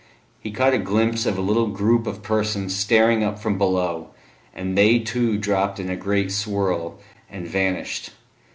He caught a glimpse of a little group of persons staring up from below, and they, too, dropped in a great swirl, and vanished.